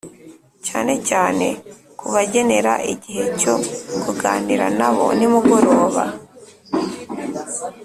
cyanecyane kubagenera igihe cyo kuganira na bo nimugoroba